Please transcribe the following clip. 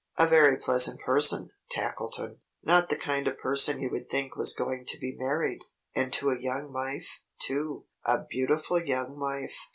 A very pleasant person, Tackleton! Not the kind of person you would think was going to be married, and to a young wife, too a beautiful young wife.